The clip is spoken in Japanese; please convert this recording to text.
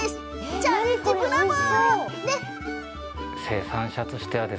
チャレンジブラボー！